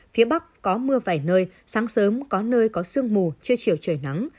phía bắc có mưa vài nơi sáng sớm có nơi có sương mù trưa chiều trời nắng